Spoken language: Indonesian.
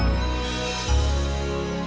terima kasih at nie